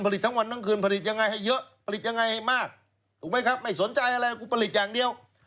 ผลิตยังไงให้เยอะผลิตยังไงให้มากถูกไหมครับไม่สนใจอะไรกูผลิตอย่างเดียว